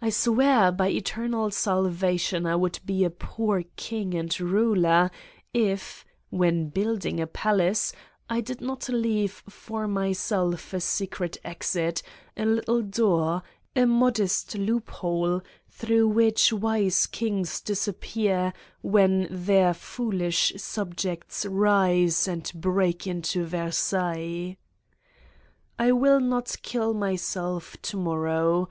I swear by eternal salva tion, I would be a poor king and ruler if, when building a palace, I did not leave for myself a secret exit, a little door, a modest loophole through which wise kings disappear when their foolish subjects rise and break into Versailles. I will not kill myself to morrow.